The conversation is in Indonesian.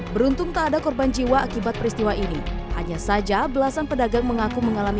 beruntung tak ada korban jiwa akibat peristiwa ini hanya saja belasan pedagang mengaku mengalami